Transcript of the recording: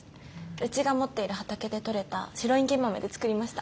うちが持っている畑で採れた白いんげん豆で作りました。